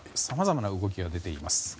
さまざまな動きが出ています。